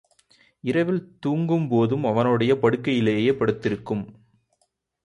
இரவில் தூங்கும் போதும் அவனுடைய படுக்கையிலேயே படுத்திருக்கும்.